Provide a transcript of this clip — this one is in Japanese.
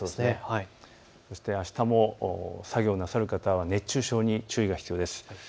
あしたも作業なさる方は熱中症に注意が必要です。